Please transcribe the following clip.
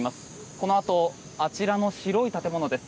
このあとあちらの白い建物です。